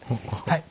はい。